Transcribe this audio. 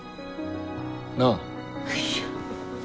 なあ。